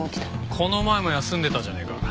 この前も休んでたじゃねえか。